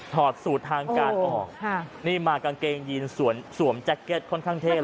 ถอดสูตรทางการออกนี่มากางเกงยีนสวมแจ็คเก็ตค่อนข้างเทพ